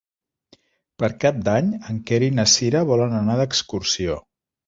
Per Cap d'Any en Quer i na Cira volen anar d'excursió.